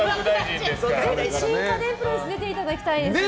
ぜひ新家電プロレス出ていただきたいですね。